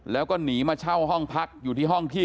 แล้วก็หนีมาเช่าห้องพักอยู่ที่ห้องที่